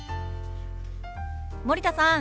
森田さん